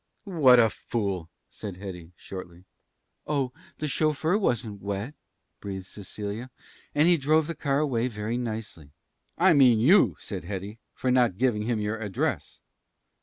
"What a fool!" said Hetty, shortly. "Oh, the chauffeur wasn't wet," breathed Cecilia. "And he drove the car away very nicely." "I mean you," said Hetty. "For not giving him your address."